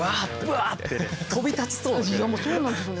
ぶわって飛び立ちそう。